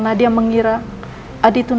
kalau enggak udah kok